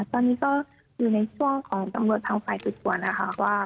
ตอนนี้ก็อยู่ในช่วงของจังหวัดทางฝ่ายทุกตัวนะคะว่า